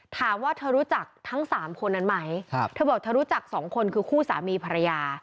ถามว่าเธอรู้จักทั้งสามคนนั้นไหมเธอบอกเธอรู้จักสองคนคือคู่สามีภรรยา